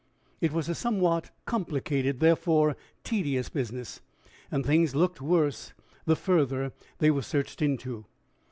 It was a somewhat complicated, therefore tedious business; and things looked worse the further they were searched into.